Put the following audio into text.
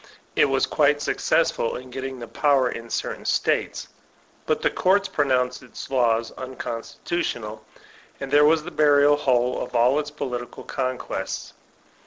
It was quite successful in getting the power in certain States; but the courts pronounced its laws unconstitutional, and there was the burial hole of all its political conquests.